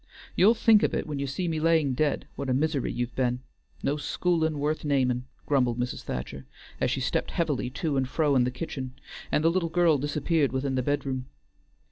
You'll think of it when you see me laying dead, what a misery you've be'n. No schoolin' worth namin';" grumbled Mrs. Thacher, as she stepped heavily to and fro in the kitchen, and the little girl disappeared within the bed room.